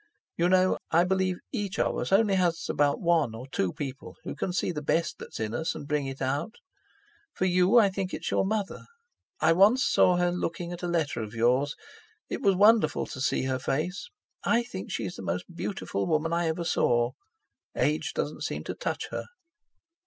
You know, I believe each of us only has about one or two people who can see the best that's in us, and bring it out. For you I think it's your mother. I once saw her looking at a letter of yours; it was wonderful to see her face. I think she's the most beautiful woman I ever saw—Age doesn't seem to touch her."